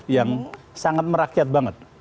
yang sangat merakyat banget